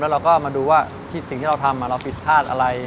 เราก็มาดูว่าสิ่งที่เราทำเราผิดพลาดอะไร